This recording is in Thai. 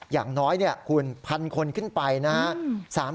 อย่างน้อยคุณพันคนขึ้นไปนะครับ